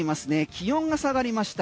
気温が下がりました。